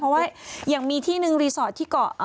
เพราะว่าอย่างมีที่นึงรีสอร์ทที่เกาะ